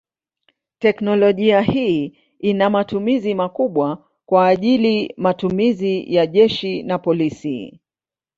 Teknolojia hii ina matumizi makubwa kwa ajili matumizi ya jeshi na polisi.